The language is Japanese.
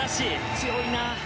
強いなあ。